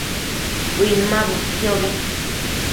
Uinmabudquiobi